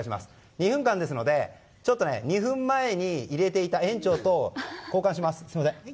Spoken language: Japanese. ２分間ですので２分前に入れていた園長と交換します。